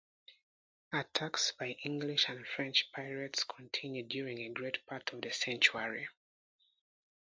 Attacks by English and French pirates continued during a great part of the century.